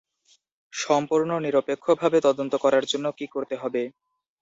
সম্পূর্ণ নিরপেক্ষভাবে তদন্ত করার জন্য কি করতে হবে?